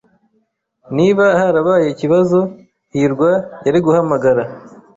Niba harabaye ikibazo, hirwa yari guhamagara.